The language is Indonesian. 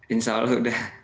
insya allah sudah